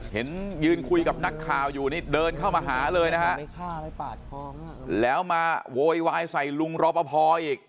ยืนคุยกับนักข่าวอยู่นี่เดินเข้ามาหาเลยนะฮะแล้วมาโวยวายใส่ลุงรอปภอีก